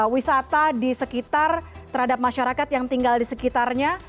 wisata di sekitar terhadap masyarakat yang tinggal di sekitarnya